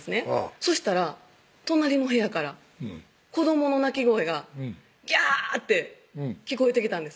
そしたら隣の部屋から子どもの泣き声が「ギャー！」って聞こえてきたんです